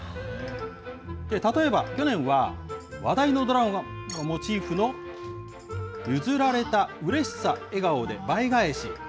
例えば、去年は、話題のドラマがモチーフの、ゆずられたうれしさ笑顔で倍返し。